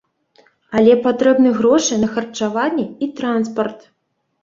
Але патрэбны грошы на харчаванне і транспарт.